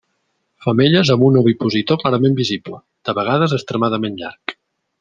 Femelles amb un ovipositor clarament visible, de vegades extremadament llarg.